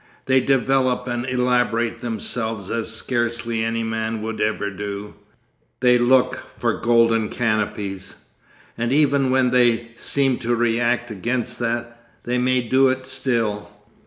They develop and elaborate themselves as scarcely any man would ever do. They look for golden canopies. And even when they seem to react against that, they may do it still.